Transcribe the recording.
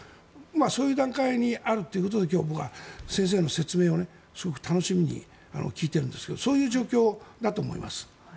そういう段階にあるということで今日、僕は先生の説明をすごく楽しみに聞いているんですけどそういう状況だと思います。